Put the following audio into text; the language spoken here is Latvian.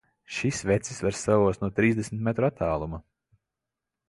Šis vecis var saost no trīsdesmit metru attāluma!